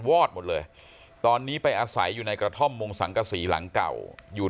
วอดหมดเลยตอนนี้ไปอาศัยอยู่ในกระท่อมมงสังกษีหลังเก่าอยู่